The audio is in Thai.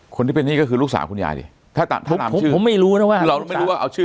คนที่เป็นหนี้ก็คือลูกสาวคุณยายดิถ้าตามถ้าถามผมผมไม่รู้นะว่าคือเราไม่รู้ว่าเอาชื่อ